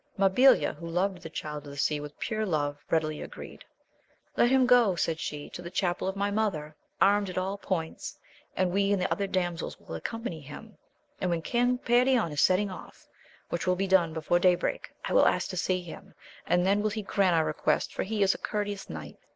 Mabilia, who loved the Child of the Sea with pure love, readily agreed. Let him go, said she, to the chapel of my mother, anned at aU points, and we and the other damsels will accompany him; and when King Perion is setting off, which will be before day break, I will ask to see him, aud then will he grant our request, for he is a courteous knight.